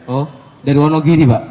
oh dari wonogiri pak